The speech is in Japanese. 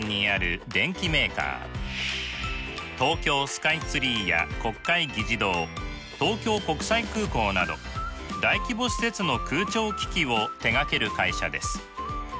東京スカイツリーや国会議事堂東京国際空港など大規模施設の空調機器を手がける会社です。